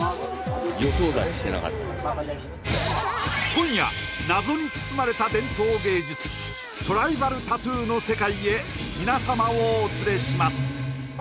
今夜謎に包まれた伝統芸術トライバルタトゥーの世界へ皆さまをお連れします